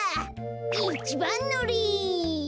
いちばんのり。